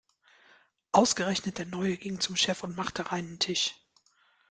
Ausgerechnet der Neue ging zum Chef und machte reinen Tisch.